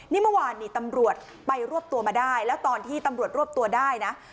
นี่เมื่อวานนี้ตำรวจไปรวบตัวมาได้แล้วตอนที่ตำรวจรวบตัวได้นะ